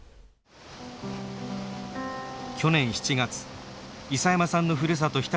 去年７月諫山さんのふるさと